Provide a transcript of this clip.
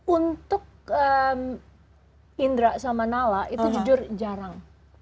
untuk indra sama nala itu jujur jarang